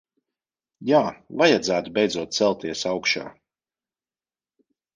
Jā, vajadzētu beidzot celties augšā.